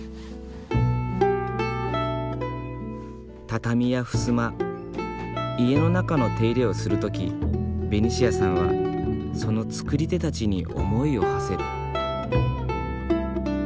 畳やふすま家の中の手入れをする時ベニシアさんはその作り手たちに思いをはせる。